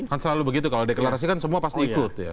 kan selalu begitu kalau deklarasi kan semua pasti ikut ya